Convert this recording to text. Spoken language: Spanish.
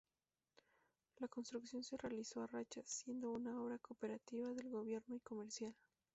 La construcción se realizó a rachas, siendo una obra cooperativa del gobierno y comercial.